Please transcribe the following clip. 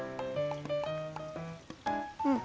うん。